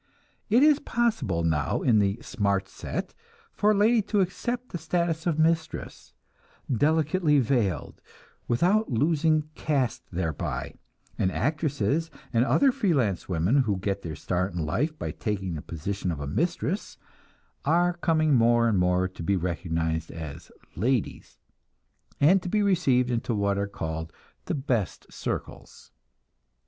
It is possible now in the "smart set" for a lady to accept the status of mistress, delicately veiled, without losing caste thereby, and actresses and other free lance women who got their start in life by taking the position of mistress, are coming more and more to be recognized as "ladies," and to be received into what are called the "best circles."